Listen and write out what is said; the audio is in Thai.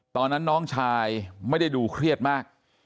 ตอนนั้นน้องชายไม่ได้ดูเครียดมาก